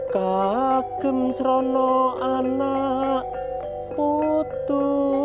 kau mencari anak putu